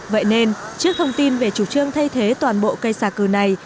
vậy nên trước thông tin về chủ trương thay thế toàn bộ cây xà cừ này